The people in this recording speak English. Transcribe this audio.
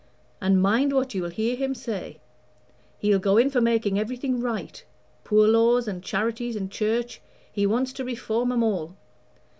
And mind what you'll hear him say; he'll go in for making everything right Poor laws and Charities and Church he wants to reform 'em all.